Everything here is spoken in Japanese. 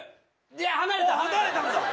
おっ離れたんだ。